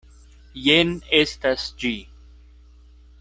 Jen estas ĝi!